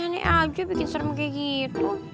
ya aneh aneh aja bikin serem kayak gitu